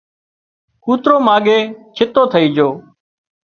ڪوترو ماڳئي ڇتو ٿئي جھو